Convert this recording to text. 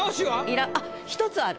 要らあっ１つある。